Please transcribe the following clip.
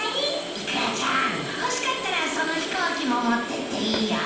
イクラちゃん欲しかったらその飛行機も持ってっていいよ。